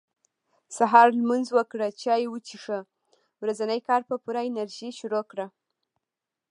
سهار لمونځ وکړه چاي وڅښه ورځني کار په پوره انرژي شروع کړه